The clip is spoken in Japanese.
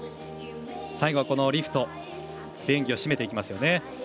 最後はリフトで演技を締めていきますね。